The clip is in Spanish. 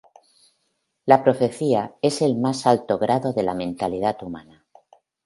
La profecía es el más alto grado de la mentalidad humana.